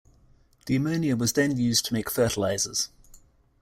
The ammonia was then used to make fertilizers.